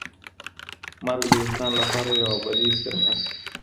مرګ د انسان لپاره یو ابدي استراحت دی.